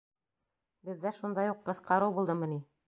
Беҙҙә шундай уҡ ҡыҫҡарыу булдымы ни?